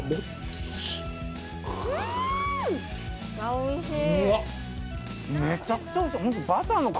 おいしい。